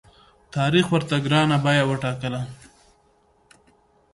تاریخ ورته ګرانه بیه وټاکله.